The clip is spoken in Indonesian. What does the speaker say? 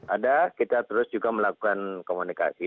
ada kita terus juga melakukan komunikasi